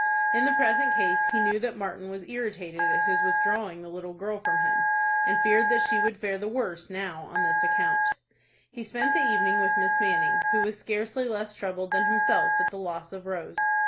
In the present case, he knew that Martin was irritated at his withdrawing the little girl from him, and feared that she would fare the worse now on this account. He spent the evening with Miss Manning, who was scarcely less troubled than himself at the loss of Rose.